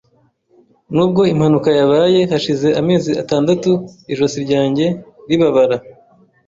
Nubwo impanuka yabaye hashize amezi atandatu, ijosi ryanjye rirababara.